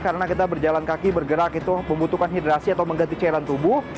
karena kita berjalan kaki bergerak itu membutuhkan hidrasi atau mengganti cairan tubuh